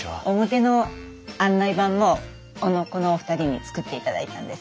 表の案内板もこのお二人に作っていただいたんです。